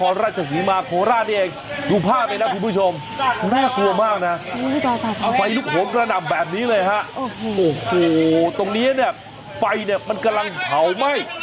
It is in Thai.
น่ากลัวมากนะไฟลูกหงกระดำแบบนี้เลยฮะโอ้โหตรงนี้เนี่ยไฟเนี่ยมันกำลังเผาไหม้